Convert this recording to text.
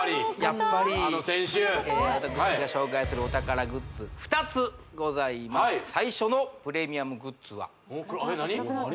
やっぱり私が紹介するお宝グッズ２つございます最初のプレミアムグッズはあれっ何？